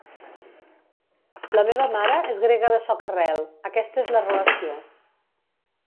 La meva mare és grega de soca-rel, aquesta és la relació.